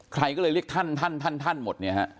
ใครก็เลยเรียกท่านท่านท่านท่านท่านหมด